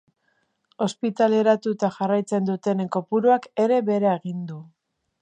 Ospitaleratuta jarraitzen dutenen kopuruak ere behera egin du.